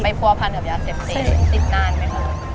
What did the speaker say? ไปพันธุ์กับยาเสธติดติดนานไหมครับ